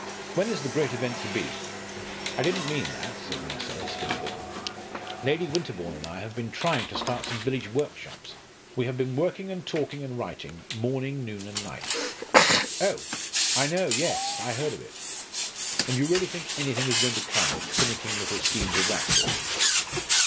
When is the great event to be?" "I didn't mean that," said Marcella, stiffly. "Lady Winterbourne and I have been trying to start some village workshops. We have been working and talking, and writing, morning, noon, and night." "Oh! I know yes, I heard of it. And you really think anything is going to come out of finicking little schemes of that sort?"